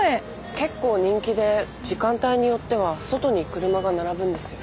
結構人気で時間帯によっては外に車が並ぶんですよ。